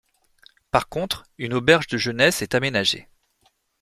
Par contre une auberge de jeunesse est aménagée.